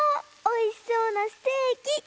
おいしそうなステーキ！